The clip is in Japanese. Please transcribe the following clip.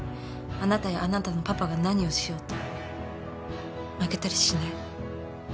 あなたやあなたのパパが何をしようと負けたりしない。